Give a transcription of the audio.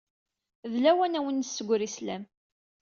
D lawan ad wen-nessegri sslam.